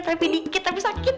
tapi dikit tapi sakit